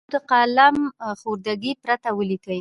مکتوب له قلم خوردګۍ پرته ولیکئ.